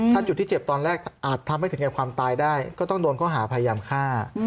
ถ้าจุดที่เจ็บตอนแรกอาจทำให้ถึงแก่ความตายได้ก็ต้องโดนข้อหาพยายามฆ่า